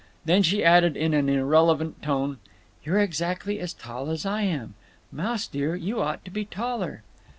Then she added, in an irrelevant tone, "You're exactly as tall as I am. Mouse dear, you ought to be taller."